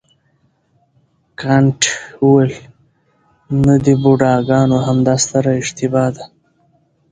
کانت وویل نه د بوډاګانو همدا ستره اشتباه ده.